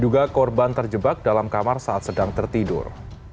diduga korban terjebak dalam kamar saat sedang tertidur